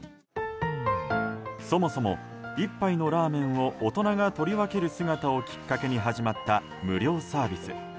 そもそも、１杯のラーメンを大人が取り分ける姿をきっかけに始まった無料サービス。